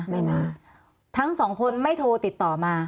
ไม่มาทั้งสองคนไม่โทรติดต่อมา